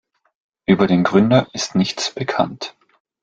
Über den Gründer ist nichts bekannt.